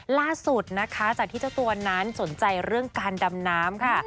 ล่าสุดนะคะจากที่เจ้าตัวนั้นสนใจเรื่องการดำน้ำค่ะ